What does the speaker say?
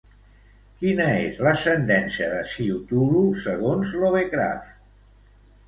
Quina és l'ascendència de Cthulhu segons Lovecraft?